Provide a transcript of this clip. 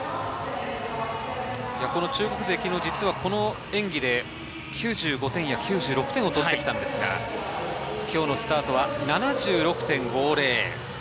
中国勢、昨日はこの演技で９５点や９６点を取ってきたんですが、今日のスタートは７６．５０。